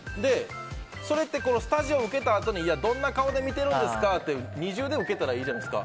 それってスタジオ、ウケたあとにどんな顔で見てるんですかって二重でウケたらいいじゃないですか。